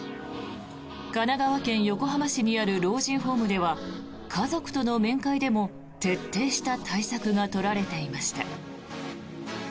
神奈川県横浜市にある老人ホームでは家族との面会でも徹底した対策が取られていました。